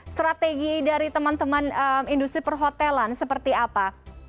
strategi dari teman teman industri perhotelan seperti apa